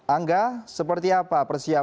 angga seperti apa persiapanmu